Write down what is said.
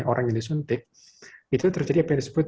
orang yang disuntik itu terjadi apa yang disebut